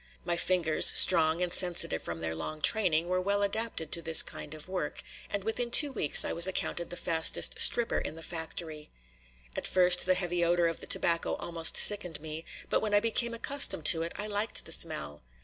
My fingers, strong and sensitive from their long training, were well adapted to this kind of work, and within two weeks I was accounted the fastest "stripper" in the factory. At first the heavy odor of the tobacco almost sickened me, but when I became accustomed to it, I liked the smell.